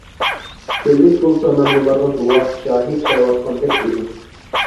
چۆللۈك بولسا مەن بۇلارغا گۇۋاھ، شاھىت دەۋاتقاندەك ئىدى.